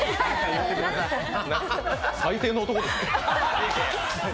最低の男ですね。